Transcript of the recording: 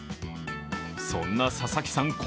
そんな佐々木さん